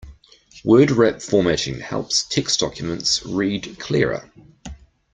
Word wrap formatting helps text documents read clearer.